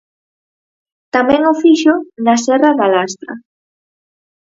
Tamén o fixo na Serra da Lastra.